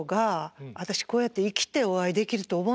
私こうやって生きてお会いできると思わなかった。